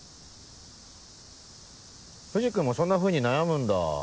藤君もそんなふうに悩むんだ。